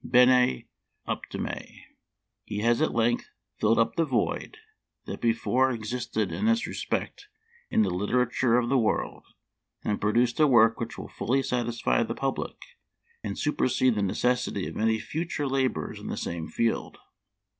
bene ! optime ! He has at length filled up the void that before existed in this respect in the literature of the world, and pro duced a work which will fully satisfy the public, and supersede the necessity of any future labors in the same field.